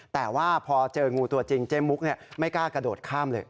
แต่ว่าพอเจองูตัวจริงเจ๊มุกไม่กล้ากระโดดข้ามเลย